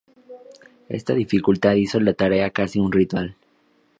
Esta dificultad hizo la tarea casi un ritual.